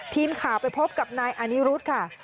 ทีมข่าวไปพบกับนายอานิรุธค่ะ